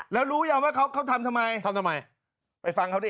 แล้วรู้ยังว่าเขาเขาทำทำไมทำทำไมไปฟังเขาดิ